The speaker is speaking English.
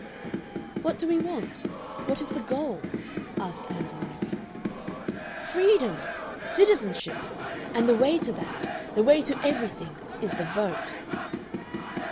"What do we want? What is the goal?" asked Ann Veronica. "Freedom! Citizenship! And the way to that the way to everything is the Vote."